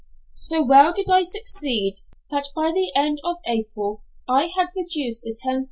So well did I succeed, that by the end of April I had reduced the 10,000_l.